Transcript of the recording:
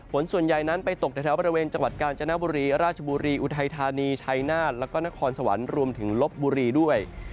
ฝนส่วนใหญ่นั้นไปตกแถวบริเวณจังหวัดกาญจนบุรีราชบุรีอุทัยธานีชัยนาฏแล้วก็นครสวรรค์รวมถึงลบบุรีด้วย